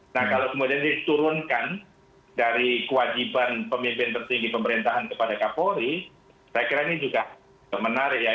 nah kalau kemudian diturunkan dari kewajiban pemimpin tertinggi pemerintahan kepada kapolri saya kira ini juga menarik ya